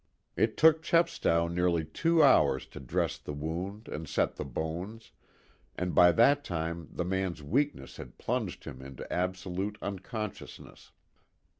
It took Chepstow nearly two hours to dress the wound and set the bones, and by that time the man's weakness had plunged him into absolute unconsciousness.